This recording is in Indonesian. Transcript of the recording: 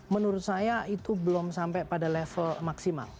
menurut saya itu belum sampai pada level maksimal